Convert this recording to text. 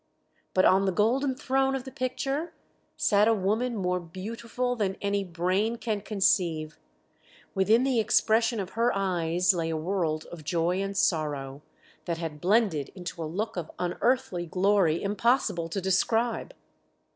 But on the golden throne of the picture sat a woman more beautiful than any brain can conceive, within the expression of her eyes lay a world of joy and sorrow, that had blended into a look of unearthly glory impossible to describe.